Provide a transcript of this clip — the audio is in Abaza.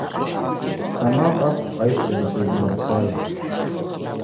Стамакъ акӏвпӏ айсрагьи сыздмырцаз.